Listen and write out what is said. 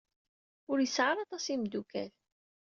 Ur yesɛi ara aṭas n yimeddukal.